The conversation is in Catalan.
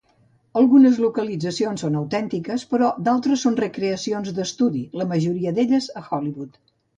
Algunes localitzacions són autèntiques, però d'altres són recreacions d'estudi, la majoria d'elles a Hollywood.